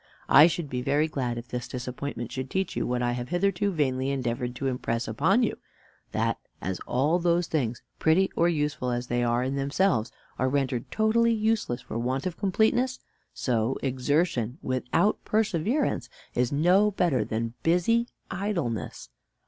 I should be very glad if this disappointment should teach you what I have hitherto vainly endeavored to impress upon you that as all those things, pretty or useful as they are in themselves, are rendered totally useless for want of completeness, so exertion without perseverance is no better than busy idleness.